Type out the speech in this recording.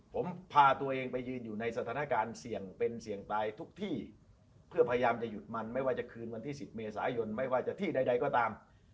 ผมพาตัวเองไปยืนอยู่ในสถานการณ์เสี่ยงเป็นเสี่ยงตายทุกที่เพื่อพยายามจะหยุดมันไม่ว่าจะคืนวันที่๑๐เมษายนไม่ว่าจะที่ใดก็ตาม